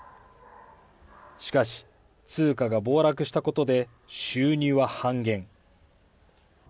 しかし、通貨が暴落したことで、収入は半減。